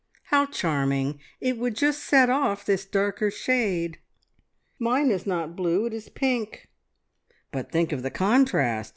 "How charming! It would just set off this darker shade." "Mine is not blue. It is pink." "But think of the contrast!